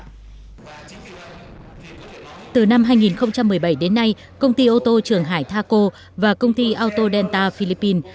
từ năm hai nghìn một mươi bảy đến nay công ty ô tô trường hải taco và công ty auto delta philippines